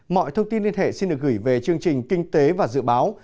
mọi thông tin liên hệ xin được gửi về chương trình kinh tế và dự báo